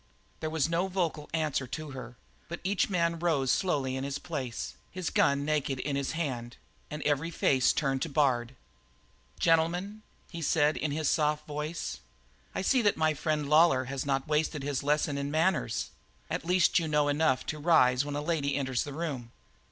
There was no vocal answer to her, but each man rose slowly in his place, his gun naked in his hand, and every face was turned to Bard. "Gentlemen," he said in his soft voice, "I see that my friend Lawlor has not wasted his lessons in manners. At least you know enough to rise when a lady enters the room."